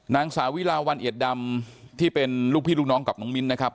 นางสาวิลาวันเอียดดำที่เป็นลูกพี่ลูกน้องกับน้องมิ้นนะครับ